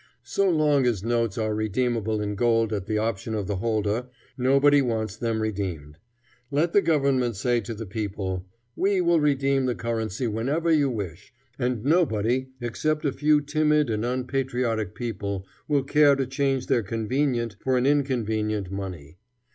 So long as notes are redeemable in gold at the option of the holder, nobody wants them redeemed. Let the government say to the people, We will redeem the currency whenever you wish, and nobody except a few timid and unpatriotic people will care to change their convenient for an inconvenient money.